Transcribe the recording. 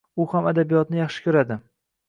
U ham adabiyotni yaxshi koʻradi.